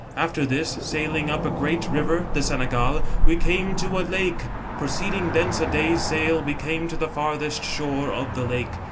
After this, sailing up a great river (the Senegal), we came to a lake. Proceed ing thence a day's sail, we came to the farthest shore of the lake.